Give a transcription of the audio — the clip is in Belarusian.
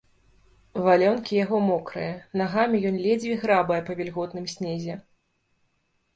Валёнкі яго мокрыя, нагамі ён ледзьве грабае па вільготным снезе.